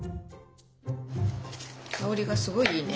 香りがすごいいいね。